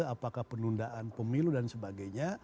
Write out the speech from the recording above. apakah penundaan pemilu dan sebagainya